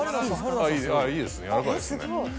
あぁいいですね柔らかいですね。